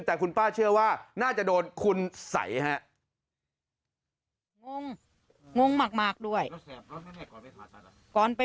แต่คุณป้าเชื่อว่าน่าจะโดนคุณสัยฮะ